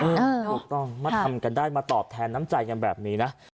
ถูกต้องมาทำกันได้มาตอบแทนน้ำใจกันแบบนี้นะ